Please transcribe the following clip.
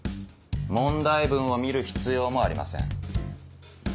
問題文を見る必要もありません。